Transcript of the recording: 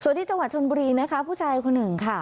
ส่วนที่จังหวัดชนบุรีนะคะผู้ชายคนหนึ่งค่ะ